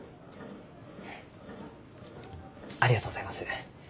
ありがとうございます。